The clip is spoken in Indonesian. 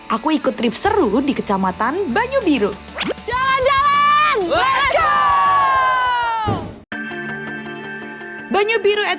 aku ikut trip seru di kecamatan banyu biru jalan jalan